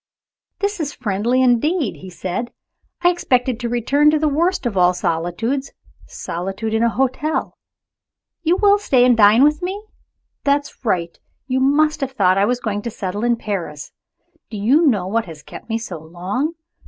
"This is friendly indeed!" he said. "I expected to return to the worst of all solitudes solitude in a hotel. You will stay and dine with me? That's right. You must have thought I was going to settle in Paris. Do you know what has kept me so long?